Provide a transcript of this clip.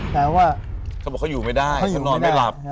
เขาบอกว่าเขาอยู่ไม่ได้เขานอนไม่หลับ